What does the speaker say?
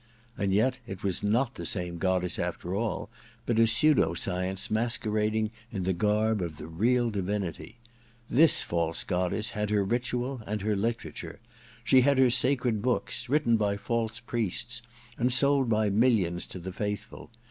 And yet it was not the same goddess, after all, but a pseudo science masquerading in the garb of the real divinity. This false goddess had her ritual and her I THE DESCENT OF MAN 9 literature. She had her sacred books, written by false priests and sold by millions to the faithful.